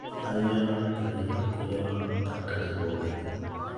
ஐயனார் படையில் குயவனார் பட்டது போல.